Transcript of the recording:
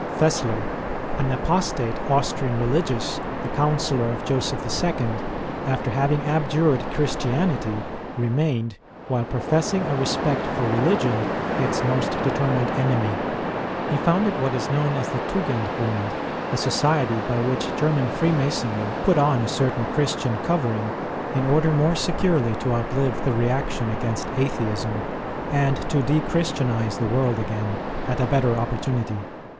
Fessler, an apostate Austrian religious, the Councillor of Joseph II., after having abjured Christianity, remained, while professing a respect for religion, its most determined enemy. He founded what is known as the Tugenbund, a society by which German Freemasonry put on a certain Christian covering, in order more securely to outlive the reaction against Atheism, and to de Christianize the world again at a better opportunity.